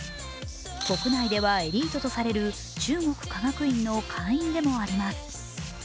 国内ではエリートとされる中国科学院の会員でもあります。